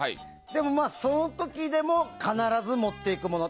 でも、その時でも必ず持っていくもの